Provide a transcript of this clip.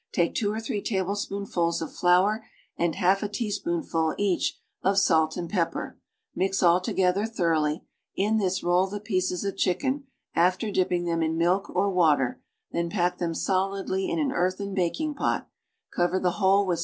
Take two or three tablespoonfuls of flour and half a teaspoonful, each, of salt and pepper; mix all together thoroughly; in this roll the pieces of chicken, after dipping theni in milk or water, then pack them solidly in an earthen baking pot; cover the whole with